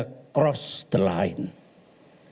kita harus melampaui batas